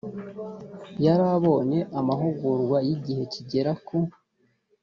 yarabonye amahugurwa y igihe kigera ku